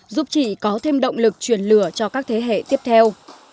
giúp chị có thêm động lực truyền lửa cho các thế hệ tiếp theo